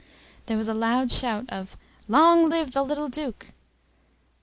There was a loud shout of "Long live the little Duke!"